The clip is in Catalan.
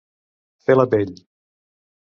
Fer la pell.